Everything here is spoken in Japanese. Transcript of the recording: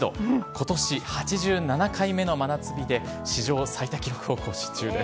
ことし８７回目の真夏日で、史上最多記録を更新中です。